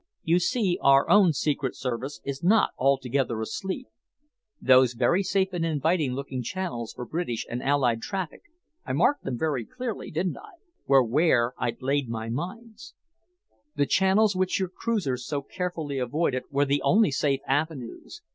You see, our own Secret Service is not altogether asleep. Those very safe and inviting looking channels for British and Allied traffic I marked them very clearly, didn't I? were where I'd laid my mines. The channels which your cruisers so carefully avoided were the only safe avenues.